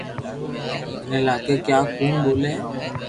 ٿني لاگي ڪي آ ڪوڻ ٻولي ھي